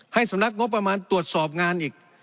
สำนักงบประมาณตรวจสอบงานอีก